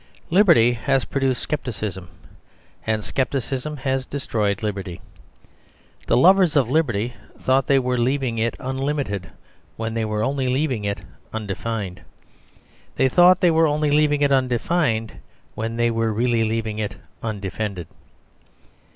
Liberty has produced scepticism, and scepticism has destroyed liberty. The lovers of liberty thought they were leaving it unlimited, when they were only leaving it undefined. They thought they were only leaving it undefined, when they were really leaving it undefended.